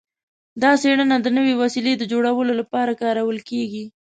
دا څیړنه د نوې وسیلې د جوړولو لپاره کارول کیږي.